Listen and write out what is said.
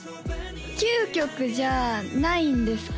９曲じゃないんですか？